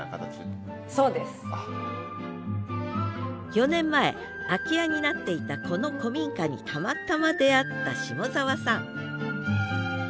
４年前空き家になっていたこの古民家にたまたま出会った下沢さん